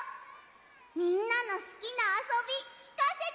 みんなのすきなあそびきかせて！